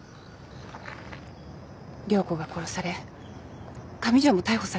涼子が殺され上条も逮捕されない。